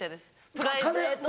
プライベートも。